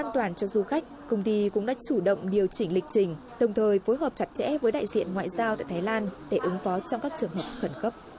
toàn cho du khách công ty cũng đã chủ động điều chỉnh lịch trình đồng thời phối hợp chặt chẽ với đại diện ngoại giao tại thái lan để ứng phó trong các trường hợp khẩn cấp